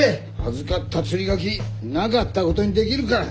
預かった釣書なかったことにできるか！